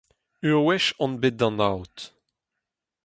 Ur wech on bet d'an aod.